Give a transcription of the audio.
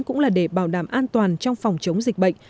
cũng là để bảo đảm an toàn trong phòng chống dịch bệnh